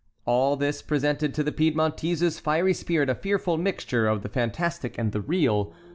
All this presented to the Piedmontese's fiery spirit a fearful mixture of the fantastic and the real.